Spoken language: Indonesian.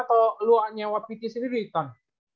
atau lu nyewa pt sendiri kan